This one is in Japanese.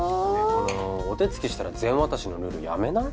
このお手つきしたら全渡しのルールやめない？